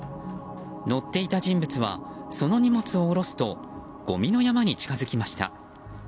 乗っていた人物はその荷物を降ろすとごみの山に近づきました。